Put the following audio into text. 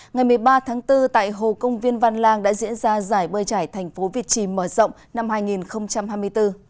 ngày một mươi ba tháng bốn tại hồ công viên văn lang đã diễn ra giải bơi trải thành phố việt trì mở rộng năm hai nghìn hai mươi bốn